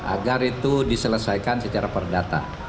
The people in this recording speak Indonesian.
agar itu diselesaikan secara perdata